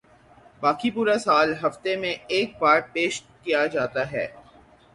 باقی پورا سال ہفتے میں ایک بار پیش کیا جاتا ہے